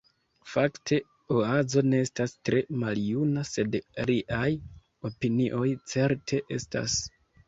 Fakte, Oazo ne estas tre maljuna, sed riaj opinioj certe estas.